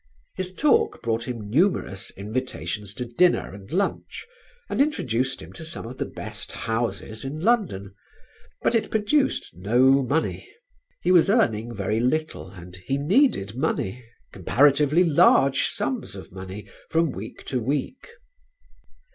His talk brought him numerous invitations to dinner and lunch and introduced him to some of the best houses in London, but it produced no money. He was earning very little and he needed money, comparatively large sums of money, from week to week.